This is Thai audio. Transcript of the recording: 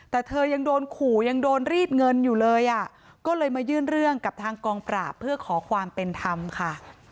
แต่เธอยังโดนขู่ยังโดนรีดเงินอยู่เลยอ่ะก็เลยมายื่นเรื่องกับทางกองปราบเพื่อขอความเป็นธรรมค่ะ